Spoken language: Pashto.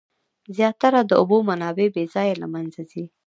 زیاتره د اوبو منابع بې ځایه له منځه ځي.